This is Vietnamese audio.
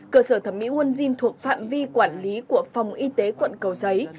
cơ sở thẩm mỹ uân dinh thuộc phạm vi quản lý của phòng y tế quận cầu giấy